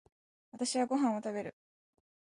私はご飯を食べる。